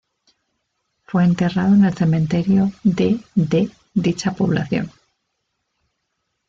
Fue enterrado en el cementerio de de dicha población.